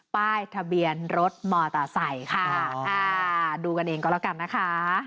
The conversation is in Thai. ป้ายทะเบียนรถมอเตอร์ใส่ดูกันเองก็แล้วกันนะคะ